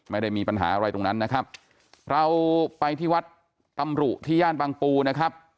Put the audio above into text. ไม่ได้มีปัญหาอะไรตรงนั้นนะครับเราไปที่วัดตำรุที่ย่านบางปูนะครับ